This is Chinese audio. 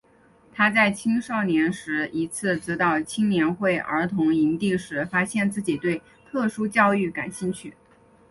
他在青少年时一次指导青年会儿童营地时发现自己对特殊教育感兴趣。